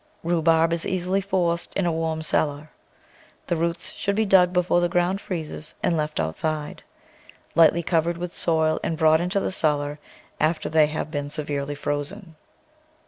Rhubarb is easily forced in a warm cellar. The roots should be dug before the ground freezes and left outside, lightly covered with soil and brought into the cellar after they have been severely frozen.